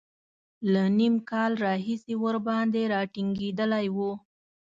له نیم کال راهیسې ورباندې را ټینګېدلی و.